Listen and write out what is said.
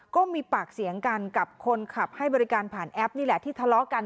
ก็มีปากเสียงกันกับคนขับให้บริการผ่านแอปนี่แหละที่ทะเลาะกัน